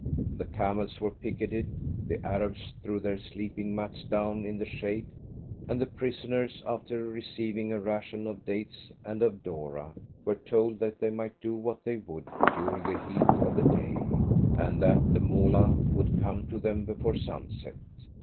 The camels were picketed, the Arabs threw their sleeping mats down in the shade, and the prisoners, after receiving a ration of dates and of doora, were told that they might do what they would during the heat of the day, and that the Moolah would come to them before sunset.